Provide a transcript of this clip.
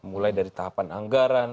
mulai dari tahapan anggaran